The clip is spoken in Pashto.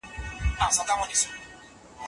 خپلې علمي موندنې په ساده او هنري ژبه بیان کړئ.